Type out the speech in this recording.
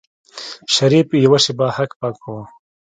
شريف يوه شېبه هک پک و.